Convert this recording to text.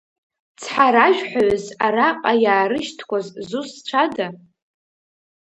Цҳаражәҳәаҩыс араҟа иаарышьҭқәаз зусҭцәада?